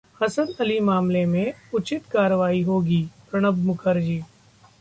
हसन अली मामले में उचित कार्रवाई होगी: प्रणब मुखर्जी